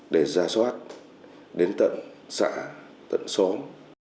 để ra soát đến tận xã tận xóm